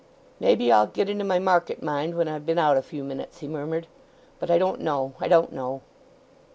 "Maybe I'll get into my market mind when I've been out a few minutes," he murmured. "But I don't know—I don't know!"